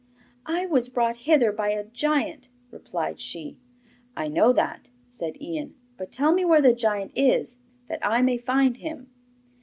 'I was brought hither by a giant,' replied she. 'I know that,' said Ian; 'but tell me where the giant is, that I may find him.